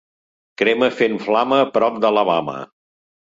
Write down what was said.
Crema fent flama prop d'Alabama.